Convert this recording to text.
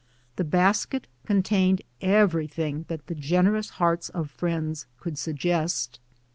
The basket con tained everything that the generous hearts of friends could suggest.